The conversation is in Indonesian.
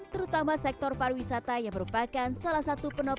terutama sektor pariwisata yang merupakan salah satu penutupan